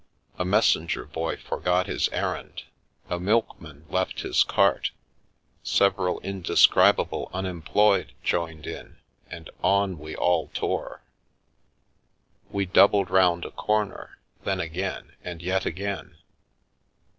A messenger boy forgot his errand, a milkman left his cart, several indescribable unemployed joined in, and on we all tore. We doubled round a corner, then again and yet again.